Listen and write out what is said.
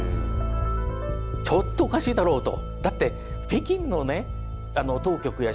ちょっとおかしいだろうと。